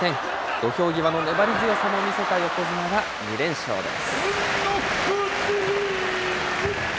土俵際の粘り強さも見せた横綱が２連勝です。